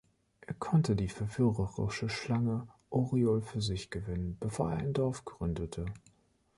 Er konnte die verführerische Schlange Oriol für sich gewinnen, bevor er ein Dorf gründete.